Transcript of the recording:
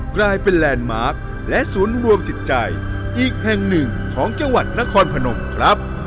กลายเป็นแลนด์มาร์คและศูนย์รวมจิตใจอีกแห่งหนึ่งของจังหวัดนครพนมครับ